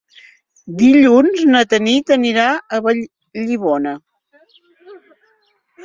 Dilluns na Tanit anirà a Vallibona.